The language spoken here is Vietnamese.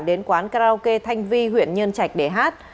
đến quán karaoke thanh vi huyện nhân trạch để hát